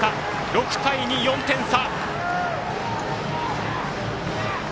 ６対２、４点差。